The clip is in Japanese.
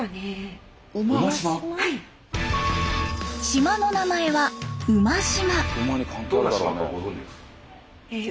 島の名前は馬島。